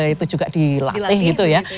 itu juga dilatih gitu ya